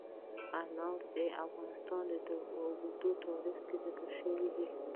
انار د افغانستان په اوږده تاریخ کې ذکر شوی دی.